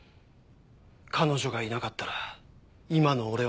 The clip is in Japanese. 彼女がいなかったら今の俺はない。